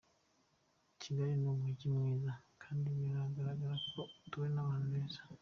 Kigali ni umujyi mwiza kandi biragaragara ko utuwe n’abantu beza.